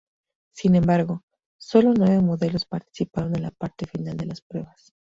Sin embargo, solo nueve modelos participaron en la parte final de las pruebas.